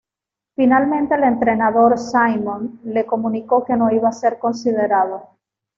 Finalmente el entrenador Simeone le comunicó que no iba a ser considerado.